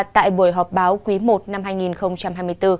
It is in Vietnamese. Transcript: tại buổi họp báo quý i năm hai nghìn hai mươi bốn